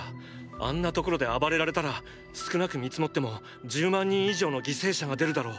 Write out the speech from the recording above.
あんな所で暴れられたら少なく見積もっても１０万人以上の犠牲者が出るだろう。